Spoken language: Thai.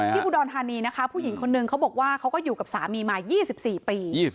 อุดรธานีนะคะผู้หญิงคนนึงเขาบอกว่าเขาก็อยู่กับสามีมา๒๔ปี